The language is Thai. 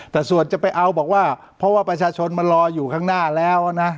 แต่ส่วนจะไปเอาบอกว่าเพราะว่าประชาชนมารออยู่ข้างหน้าแล้วนะ